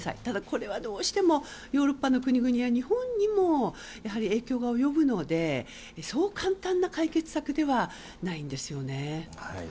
ただ、これはどうしてもヨーロッパの国々や日本にも影響が及ぶのでそう簡単な解決策ではないんですよね。